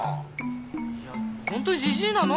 いや本当にジジイなの？